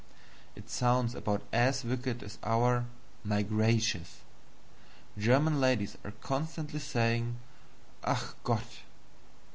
It sounds about as wicked as our "My gracious." German ladies are constantly saying, "Ach! Gott!"